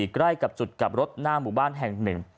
ใกล้กับจุดกลับรถหน้าหมู่บ้านแห่งหนึ่ง